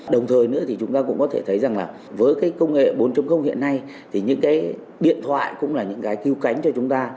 đồng thời nữa thì chúng ta cũng có thể thấy rằng là với cái công nghệ bốn hiện nay thì những cái điện thoại cũng là những cái cứu cánh cho chúng ta